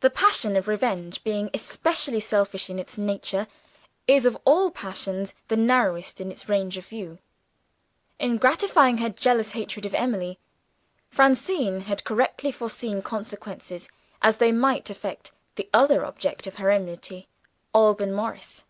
The passion of revenge, being essentially selfish in its nature, is of all passions the narrowest in its range of view. In gratifying her jealous hatred of Emily, Francine had correctly foreseen consequences, as they might affect the other object of her enmity Alban Morris.